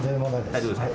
大丈夫ですか？